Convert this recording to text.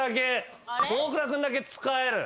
大倉君だけ「つかえる」